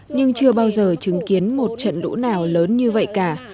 nhưng chưa bao giờ chứng kiến một trận lũ nào lớn như vậy cả